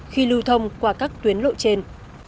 khi lưu thông qua các tuyến lộ trên